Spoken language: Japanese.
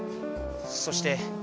そして。